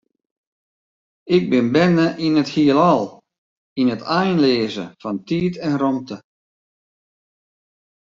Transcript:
Ik bin berne yn it Hielal, yn it einleaze fan tiid en rûmte.